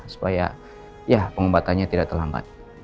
supaya ya pengobatannya tidak terlambat